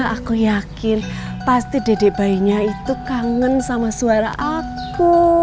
aku yakin pasti dedek bayinya itu kangen sama suara aku